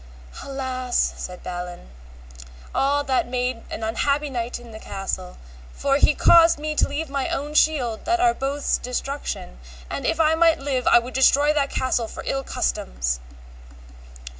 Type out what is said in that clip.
Alas, said Balin, all that made an unhappy knight in the castle, for he caused me to leave my own shield to our both's destruction, and if I might live I would destroy that castle for ill customs.